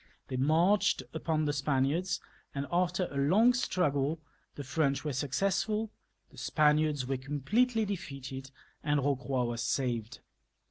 They marched upon the Spaniards, and after a long struggle the French were successful, the Spaniards were completely defeated, and Eocroy was saved.